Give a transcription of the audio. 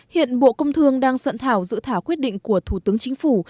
hiện bộ công thương đang soạn thảo dự thảo quyết định của thủ tướng chính phủ